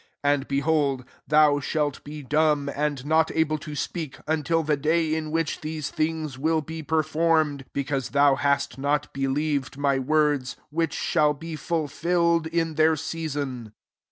30 Andy behold, thou shall t ^mb, and not able to speak^ ntUthe day in which these things ill be performed ; because thou Ut not believed my words; which W be fuffilled in their season.